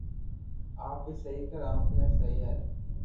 آپ اي سھي ڪر آپ ني سھي بس